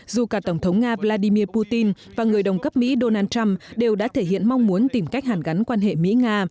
dù cả tổng thống nga vladimir putin và người đồng cấp mỹ donald trump đều đã thể hiện mong muốn tìm cách hàn gắn quan hệ mỹ nga